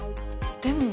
でも。